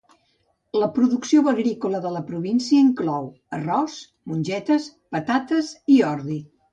La producció agrícola de la província inclou arròs, mongetes, patates i ordi.